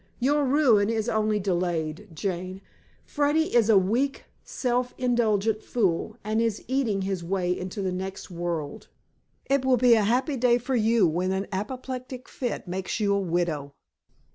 "Your ruin is only delayed, Jane. Freddy is a weak, self indulgent fool, and is eating his way into the next world. It will be a happy day for you when an apoplectic fit makes you a widow."